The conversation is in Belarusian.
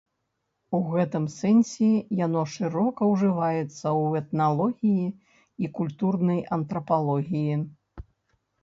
У гэтым сэнсе яно шырока ўжываецца ў этналогіі і культурнай антрапалогіі.